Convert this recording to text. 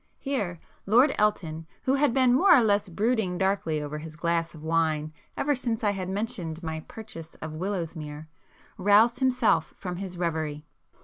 Here Lord Elton who had been more or less brooding darkly over his glass of wine ever since I had mentioned my purchase of Willowsmere, roused himself from his reverie.